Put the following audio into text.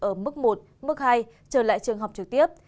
ở mức một mức hai trở lại trường học trực tiếp